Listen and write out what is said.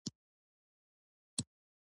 پښتو وايئ ، پښتو لولئ ، پښتو ليکئ